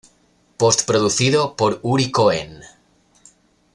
Post-producido por Uri Cohen.